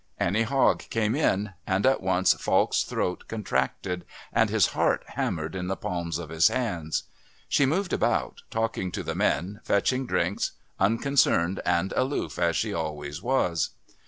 Annie Hogg came in, and at once Falk's throat contracted and his heart hammered in the palms of his hands. She moved about, talking to the men, fetching drinks, unconcerned and aloof as she always was.